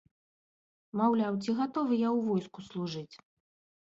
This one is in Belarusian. Маўляў, ці гатовы я ў войску служыць.